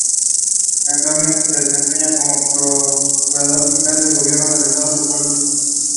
Initial reports of the delayed notifications were reported during beta testing.